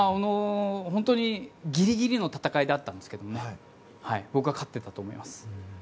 本当にギリギリの戦いだったんですけど僕は勝っていたと思います。